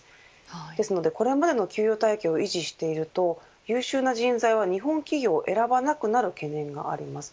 ですので、これまでの給与体系を維持していると優秀な人材は日本企業を選ばなくなる懸念があります。